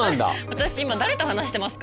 私今誰と話してますか？